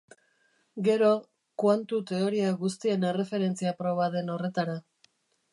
Gero, kuantu-teoria guztien erreferentzia-proba den horretara.